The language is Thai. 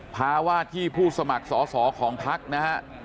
พาว่าที่ผู้สมัครสอสอของภักดิ์นะฮะ